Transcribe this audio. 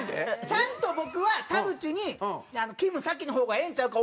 ちゃんと僕は田渕に「きむ先の方がええんちゃうか？